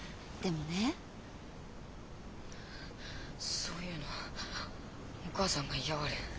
そういうのお母さんが嫌がる。